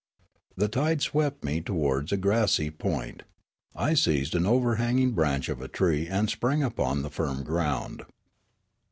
The tide swept me towards a grassy point ; I seized an overhanging branch of a tree and sprang upon the firm ground.